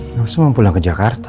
langsung pulang ke jakarta